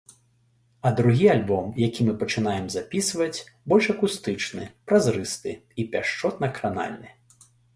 А другі альбом, які мы пачынаем запісваць, больш акустычны, празрысты і пяшчотна-кранальны.